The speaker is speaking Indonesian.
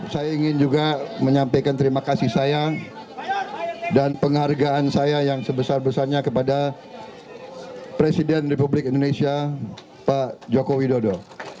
saya ingin juga menyampaikan terima kasih sayang dan penghargaan saya yang sebesar besarnya kepada presiden republik indonesia pak joko widodo